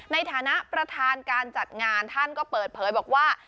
ในฐานะประธานการจัดงานท่านก็เปิดเผยบอกว่า